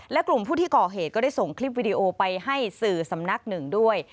และกลุ่มผู้ที่ก่อเหตุก็ได้ส่งคลิปวิดีโอไปให้สื่อสำนักหนึ่งด้วย